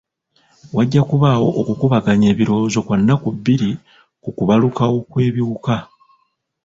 Wajja kubaawo okukubaganya ebirowoozo kwa nnaku bbiri ku kubalukawo kw'ebiwuka .